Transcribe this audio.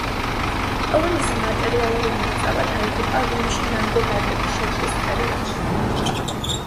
ყველა მისი მატერიალური მიღწევა დაიღუპა რომში ლანგობარდების შეჭრის პერიოდში.